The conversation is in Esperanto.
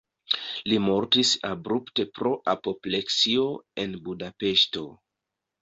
Li mortis abrupte pro apopleksio en Budapeŝto.